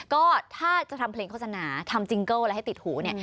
ก็ถ้าจะทำเพลงโฆษณาทำจิงเกิลอะไรให้ติดหูเนี่ย